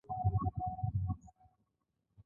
په ټاکلو کې تحصیلي اسناد په پام کې نیسي.